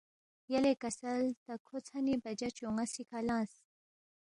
یلے کسل تا کھو ژھنی بجا چون٘یسی کھہ لنگس